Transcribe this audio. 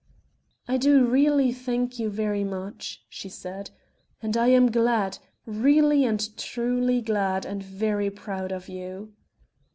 "I do really thank you very much," she said, "and I am glad really and truly glad, and very proud of you...."